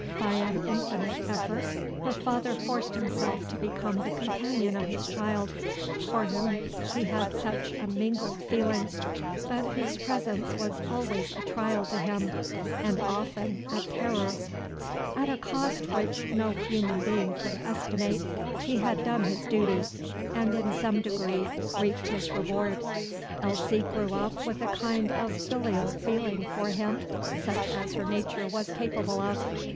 By an infinite effort, her father forced himself to become the companion of this child, for whom he had such a mingled feeling, but whose presence was always a trial to him, and often a terror. At a cost which no human being could estimate, he had done his duty, and in some degree reaped his reward. Elsie grew up with a kind of filial feeling for him, such as her nature was capable of.